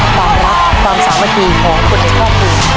ความรับความสามารถมีของคนที่ชอบคุณ